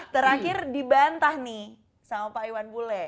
terakhir dibantah nih sama pak iwan bule